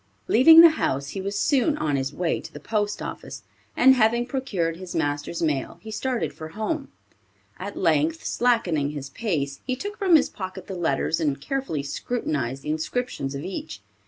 Leaving the house he was soon on his way to the post office, and having procured his master's mail he started for home. At length, slackening his pace, he took from his pocket the letters and carefully scrutinized the inscription of each.